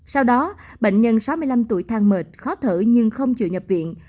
sau đó bệnh nhân sáu mươi năm tuổi thang mệt khó thở nhưng không chịu nhập viện